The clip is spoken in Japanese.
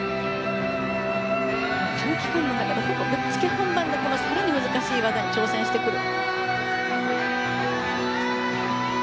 短期間でほぼぶっつけ本番で更に難しい技に挑戦してくる。